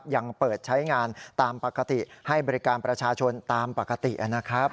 ยังเปิดใช้งานตามปกติให้บริการประชาชนตามปกตินะครับ